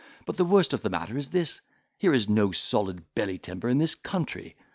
But the worst of the matter is this; here is no solid belly timber in this country.